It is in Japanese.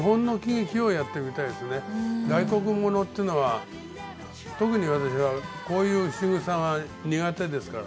外国ものというのは特に私はこういうしぐさが苦手ですから。